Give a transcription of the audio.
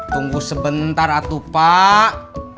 tunggu sebentar atuh pak